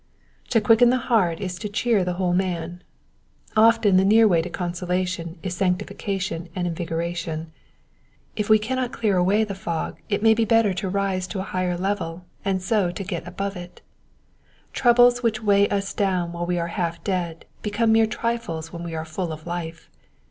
To quicken the heart is to cheer the whole man. Often the near way to consolation is sanctifica tdon and invigoration. If we cannot clear away the fog, it may be better to rise to a higher level, and so to get above it. Troubles which weigh ug down while we are half dead become mere trifies when we are full of life.